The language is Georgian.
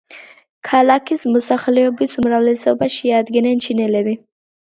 ქალაქის მოსახლეობის უმრავლესობას შეადგენენ ჩინელები.